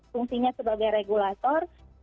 fungsinya sebagai regulator